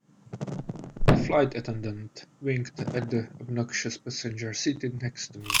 The flight attendant winked at the obnoxious passenger seated next to me.